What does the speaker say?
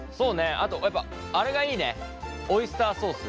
あとやっぱあれがいいねオイスターソース。